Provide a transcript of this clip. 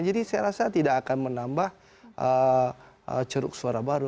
jadi saya rasa tidak akan menambah ceruk suara baru